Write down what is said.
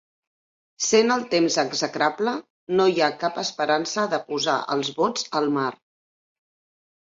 Sent el temps execrable, no hi ha cap esperança de posar els bots al mar.